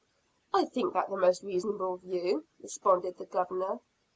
"I think that the most reasonable view," responded the Governor.